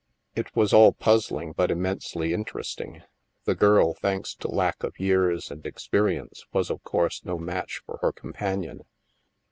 '' It was all puzzling but immensely interesting. The girl, thanks to lack of years and experience, was of course no match for her companion.